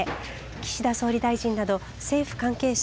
岸田総理大臣など政府関係者